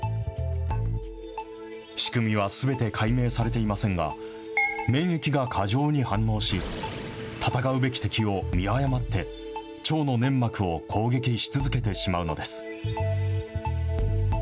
仕組みはすべて解明されていませんが、免疫が過剰に反応し、戦うべき敵を見誤って、腸の粘膜を攻撃し続けてしまうのです。